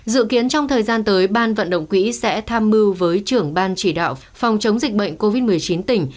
dự kiến trong thời gian tới ban vận động quỹ sẽ tham mưu với trưởng ban chỉ đạo phòng chống dịch bệnh covid một mươi chín tỉnh